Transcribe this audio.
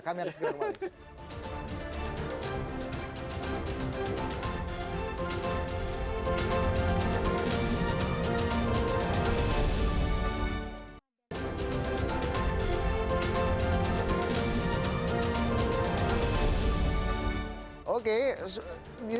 kami harus ke sana